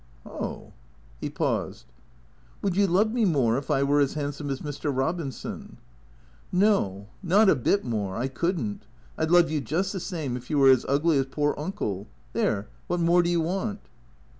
" Oh." He paused. " Would you love me more if I were as handsome as Mr. Eobinson ?"" No. Not a bit more. I could n't. I 'd love you just the same if you were as ugly as poor Uncle. There, what more do you want?